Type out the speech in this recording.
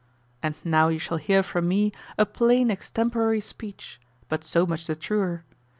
And now you shall hear from me a plain extemporary speech, but so much the truer.